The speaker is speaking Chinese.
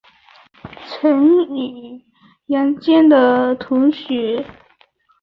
曾与杨坚同学。